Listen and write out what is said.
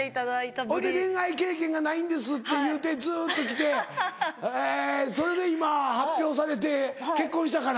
ほいで恋愛経験がないんですって言うてずっと来てそれで今発表されて結婚したから。